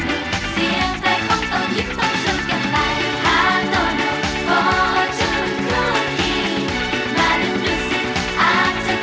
ฝากให้พามาโดนชะตาทำให้เราไม่แค่คิด